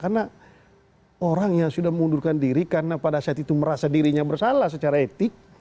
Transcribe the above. karena orang yang sudah mengundurkan diri karena pada saat itu merasa dirinya bersalah secara etik